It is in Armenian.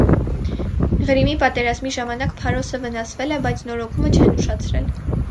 Ղրիմի պատերազմի ժամանակ փարոսը վնասվել է, բայց նորոգումը չեն ուշացրել։